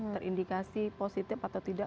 terindikasi positif atau tidak